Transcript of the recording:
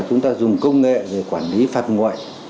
chúng ta dùng công nghệ rồi quản lý phạt ngoại